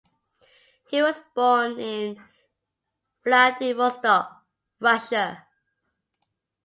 He was born in Vladivostok, Russia.